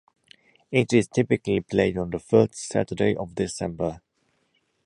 It is typically played on the first Saturday of December.